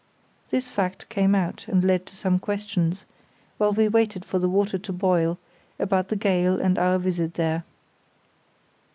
This fact came out, and led to some questions, while we waited for the water to boil, about the gale and our visit there.